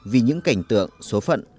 vì những cảnh tượng số phận